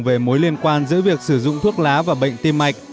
về mối liên quan giữa việc sử dụng thuốc lá và bệnh tim mạch